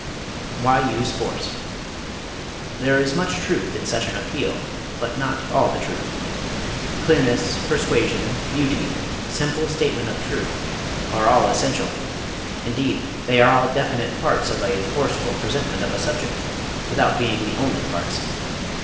Why Use Force? There is much truth in such an appeal, but not all the truth. Clearness, persuasion, beauty, simple statement of truth, are all essential indeed, they are all definite parts of a forceful presentment of a subject, without being the only parts.